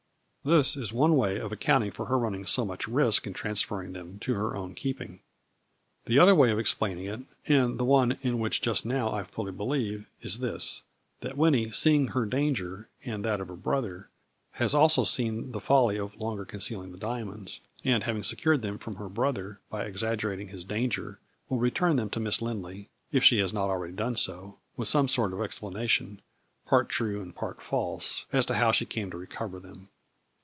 This is one way of accounting for her running so much risk in transferring them to her own keeping. The other way of explaining it, and the one in which just now I fully believe, is this: that Winnie, seeing her danger, and that of her brother, has also seen the folly of longer concealing the dia monds, and, having secured them from her brother, by exaggerating his danger, will return them to Miss Lindley, if she has not already done so, with some sort of explanation, part true and part false, as to how she came to re cover them.